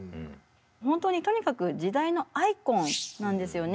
本当にとにかく時代のアイコンなんですよね。